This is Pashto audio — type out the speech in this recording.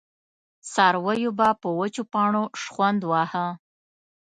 څارويو به پر وچو پاڼو شخوند واهه.